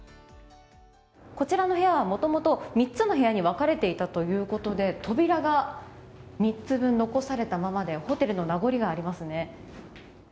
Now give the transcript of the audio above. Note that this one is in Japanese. こちらの部屋は、もともと３つの部屋に分かれていたということで扉が３つ分、残されたままでホテルの名残がありますね。